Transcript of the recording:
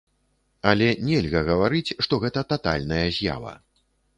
Але нельга гаварыць, што гэта татальная з'ява.